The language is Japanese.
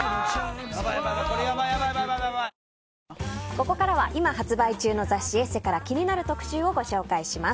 ここからは今発売中の雑誌「ＥＳＳＥ」から気になる特集をご紹介します。